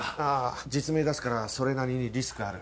実名出すからそれなりにリスクある。